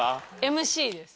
ＭＣです。